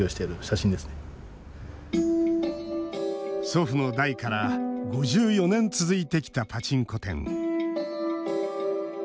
祖父の代から５４年続いてきたパチンコ店。